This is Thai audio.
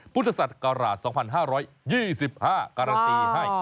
พุทธศัตริย์กราศาสตร์๒๕๒๕การตรีให้